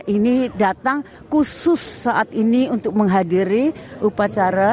ini datang khusus saat ini untuk menghadiri upacara